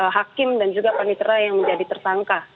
hakim dan juga panitera yang menjadi tersangka